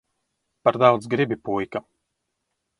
Par daudz gribi, puika.